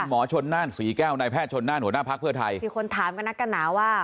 หมอชนน่านศรีแก้วนายแพทย์ชนน่านหัวหน้าพักเพื่อไทยมีคนถามกันนักกันหนาว่า